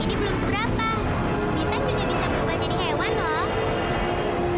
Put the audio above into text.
ini belum seberapa kita juga bisa berubah jadi hewan loh